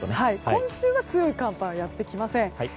今週は強い寒波はやってきません。